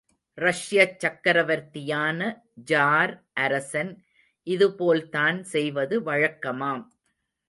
ரஷ்யச் சக்கரவர்த்தியான ஜார் அரசன் இதுபோல்தான் செய்வது வழக்கமாம்.